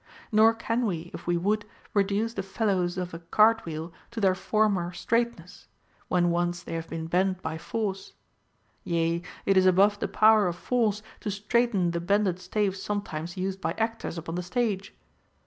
Nor can we, if we Avould, reduce the felloes of a cart wheel to their former straightness, when once they have been bent by force ; yea, it is above the poAver of force to straighten the bended staves sometimes used by actors upon the stage.